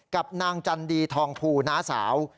กับนางจันดีทองภูน้าสาว